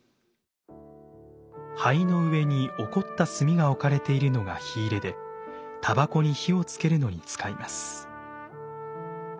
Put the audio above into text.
灰の上におこった炭が置かれているのが火入で煙草に火をつけるのに使います。